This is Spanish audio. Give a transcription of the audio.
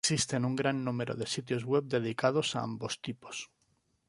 Existen un gran número de sitios web dedicados a ambos tipos.